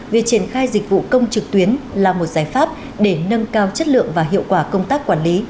việc triển khai dịch vụ công trực tuyến là một giải pháp để nâng cao chất lượng và hiệu quả công tác quản lý